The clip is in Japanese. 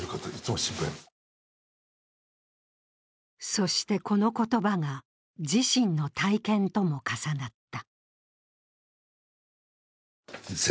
そして、この言葉が自身の体験とも重なった。